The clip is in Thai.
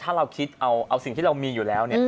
ถ้าเราคิดเอาสิ่งที่เรามีอยู่แล้ว